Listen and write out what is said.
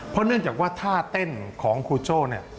เพราะเนื่องจากว่าท่าเต้นของครูโจ้เนี่ย